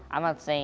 saya pikir mereka